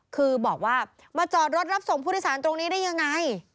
คือบอกว่ามาจอดรถรับส่งพุทธศาลตรงนี้ได้อย่างไร